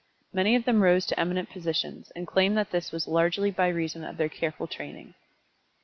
Many of them rose to eminent positions, and claimed that this was largely by reason of their careful training.